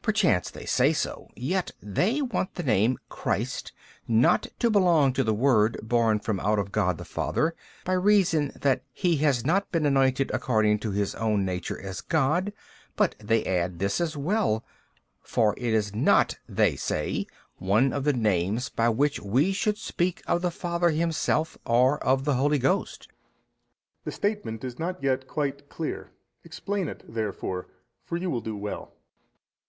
B. Perchance they say so, yet they want the name Christ |253 not to belong to the Word born from out of God the Father, by reason that Ho has not been anointed according to His own Nature as God, but they add this as well: For it is not (they say) one of the names by which we should speak of the Father Himself or of the Holy Ghost. A. The statement is not yet quite clear; explain it therefore, for you will do well.